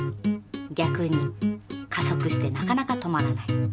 ぎゃくに加速してなかなか止まらない。